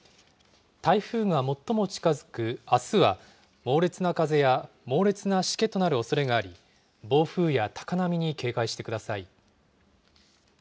台風が最も近づくあすは、猛烈な風や猛烈なしけとなるおそれがあり、暴風や高波に警戒してください。